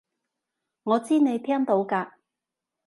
我知你聽到㗎